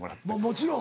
もちろん。